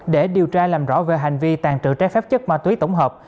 để điều tra làm rõ về hành vi tàn trự trái phép chất ma túy tổng hợp